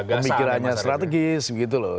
pemikirannya strategis begitu loh